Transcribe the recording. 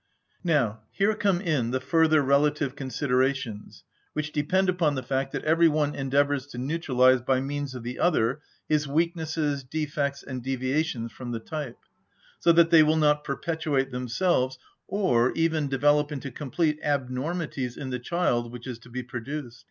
Now, here come in the further relative considerations, which depend upon the fact that every one endeavours to neutralise by means of the other his weaknesses, defects, and deviations from the type, so that they will not perpetuate themselves, or even develop into complete abnormities in the child which is to be produced.